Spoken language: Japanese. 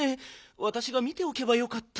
わたしが見ておけばよかった。